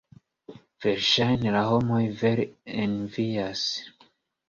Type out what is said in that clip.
Verŝajne la homoj vere envias.